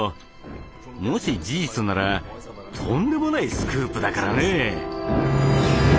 もし事実ならとんでもないスクープだからね。